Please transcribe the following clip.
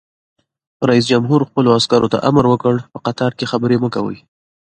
رئیس جمهور خپلو عسکرو ته امر وکړ؛ په قطار کې خبرې مه کوئ!